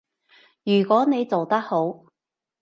如果你做得好